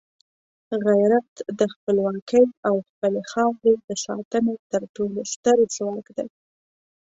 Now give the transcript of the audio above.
غیرت د خپلواکۍ او خپلې خاورې د ساتنې تر ټولو ستر ځواک دی.